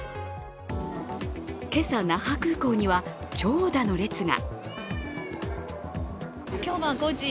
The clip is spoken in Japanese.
今朝、那覇空港には長蛇の列が。